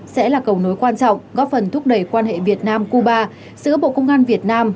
sẽ là cầu nối quan trọng góp phần thúc đẩy quan hệ việt nam cuba giữa bộ công an việt nam